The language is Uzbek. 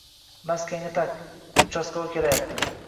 -Maskangni taq, uchaskavoy kelayapti